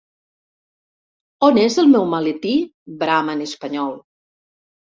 ¿On és el meu maletí?, brama en espanyol.